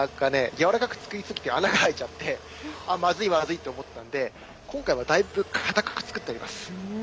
軟らかく作りすぎて穴が開いちゃって「あっまずいまずい」って思ったんで今回はだいぶ硬く作ってあります。